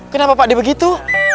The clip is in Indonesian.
kenapa pak d begitu